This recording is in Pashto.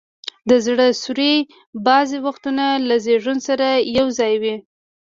د زړه سوري بعضي وختونه له زیږون سره یو ځای وي.